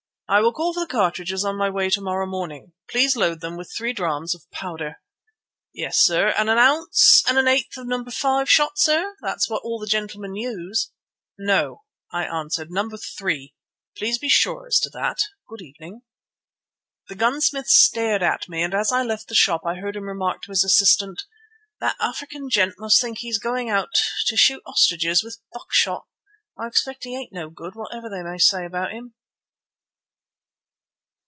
"I will call for the cartridges on my way to morrow morning. Please load them with three drachms of powder." "Yes, sir, and an ounce and an eighth of No. 5 shot, sir? That's what all the gentlemen use." "No," I answered, "No. 3; please be sure as to that. Good evening." The gunsmith stared at me, and as I left the shop I heard him remark to his assistant: "That African gent must think he's going out to shoot ostriches with buck shot. I expect he ain't no good, whatever they may say about him."